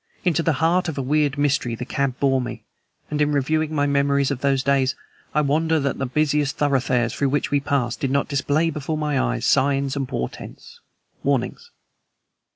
Into the heart of a weird mystery the cab bore me; and in reviewing my memories of those days I wonder that the busy thoroughfares through which we passed did not display before my eyes signs and portents warnings.